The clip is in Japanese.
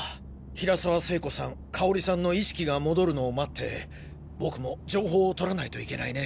平沢聖子さん香さんの意識が戻るのを待って僕も情報をとらないといけないね。